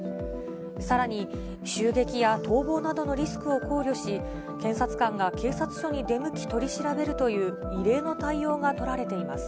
さらに、襲撃や逃亡などのリスクを考慮し、検察官が警察署に出向き取り調べるという、異例の対応が取られています。